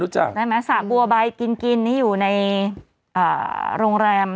รู้จักใช่มั้ยสาบัวใบกินกินดีอยู่ในโรงแรม